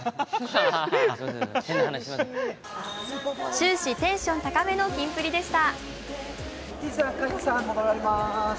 終始テンション高めのキンプリでした。